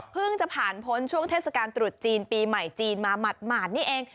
จะผ่านพ้นช่วงเทศกาลตรุษจีนปีใหม่จีนมาหมาดนี่เอง